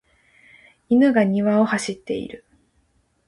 犬が庭を走っている。